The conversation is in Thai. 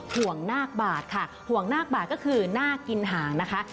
ห่วงนาคบาทค่ะห่วงนาคบาทก็คือนาคกินหางนะคะ